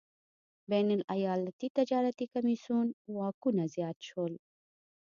بین الایالتي تجارتي کمېسیون واکونه زیات شول.